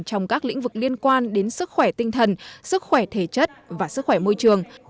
trong các lĩnh vực liên quan đến sức khỏe tinh thần sức khỏe thể chất và sức khỏe môi trường